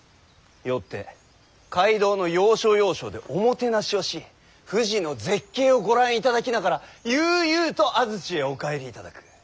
よって街道の要所要所でおもてなしをし富士の絶景をご覧いただきながら悠々と安土へお帰りいただく。